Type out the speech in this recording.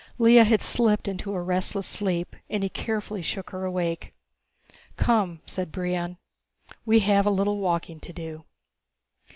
Lea had slipped into a restless sleep and he carefully shook her awake. "Come," Brion said. "We have a little walking to do."